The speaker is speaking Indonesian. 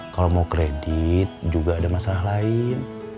kalau mau kredit juga ada masalah lain